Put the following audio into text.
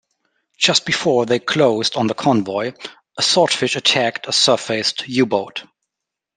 Just before they closed on the convoy a Swordfish attacked a surfaced U-boat.